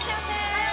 はい！